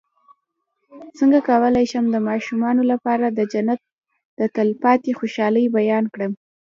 څنګه کولی شم د ماشومانو لپاره د جنت د تل پاتې خوشحالۍ بیان کړم